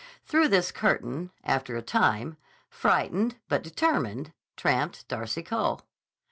Through this curtain, after a time, frightened but determined, tramped Darcy Cole.